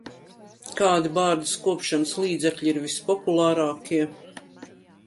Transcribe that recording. Kādi bārdas kopšanas līdzekļi ir vispopulārākie?